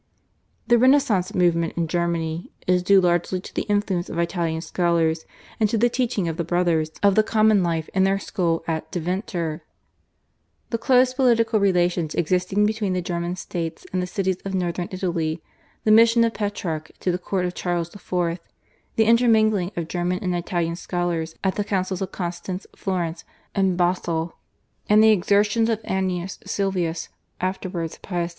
The Renaissance movement in Germany is due largely to the influence of Italian scholars and to the teaching of the Brothers of the Common Life in their school at Deventer. The close political relations existing between the German States and the cities of Northern Italy, the mission of Petrarch to the court of Charles IV., the intermingling of German and Italian scholars at the councils of Constance, Florence, and Basle, and the exertions of Aeneas Sylvius, afterwards Pius II.